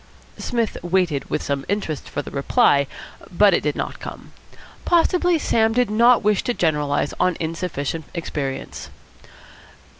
Psmith waited with some interest for the reply, but it did not come. Possibly Sam did not wish to generalise on insufficient experience.